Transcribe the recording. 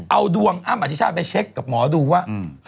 เอาดวงอ้ำอธิชาติไปเช็คกับหมอดูว่า